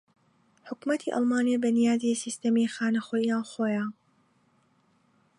حوکمەتی ئەڵمانیا بەنیازی سیستەمی خانە خوێی ناوەخۆییە